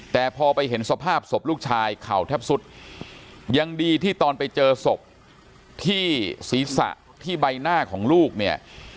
แต่พอไปเห็นสภาพศพลูกชายเข่าแทบสุดยังดีที่ตอนไปเจอศพที่ศีรษะที่ใบหน้าของลูกเนี่ย